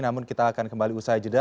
namun kita akan kembali usai jeda